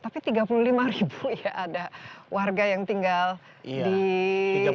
tapi tiga puluh lima ribu ya ada warga yang tinggal di indonesia